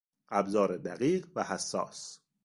ابزار دقیق و حساس